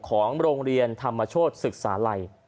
ของโรงเรียนธรรมโชธศึกษาลัย